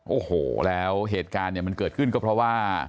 โอ้โหแล้วเหตุการณ์เนี่ยมันเกิดขึ้นก็เพราะว่า